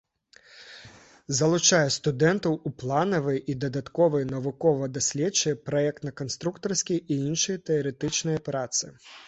Залучае студэнтаў у планавыя і дадатковыя навукова-даследчыя, праектна-канструктарскія і іншыя тэарэтычныя працы.